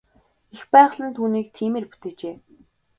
Эх байгаль нь түүнийг тиймээр бүтээжээ.